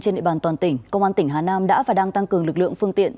trên địa bàn toàn tỉnh công an tỉnh hà nam đã và đang tăng cường lực lượng phương tiện